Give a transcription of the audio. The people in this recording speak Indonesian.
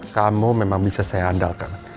kamu memang bisa saya handalkan